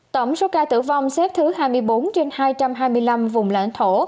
tổng số ca tử vong xếp thứ hai mươi bốn trên hai trăm hai mươi năm vùng lãnh thổ